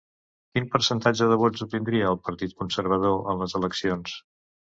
Quin percentatge de vots obtindria el Partit Conservador en les eleccions?